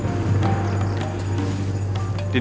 bagaimana aku bisa tidak sadarkan diri